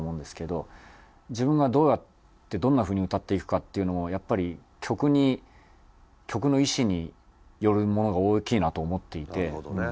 自分がどうやってどんな風に歌っていくかっていうのもやっぱり曲に曲の意志によるものが大きいなと思っていて。